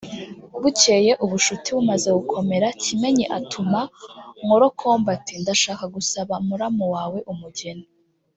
Bukeye ubucuti bumaze gukomera Kimenyi atuma kuri Nkorokombe ati``Ndashaka gusaba muramu wawe umugeni